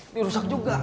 ini rusak juga